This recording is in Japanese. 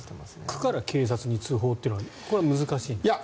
区から警察に通報というのはこれは難しいんですか？